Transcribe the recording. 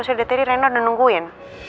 soalnya tadi reno udah nungguin